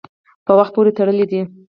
په وخت پورې تړلي دي.